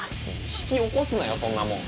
引き起こすなよそんなもん。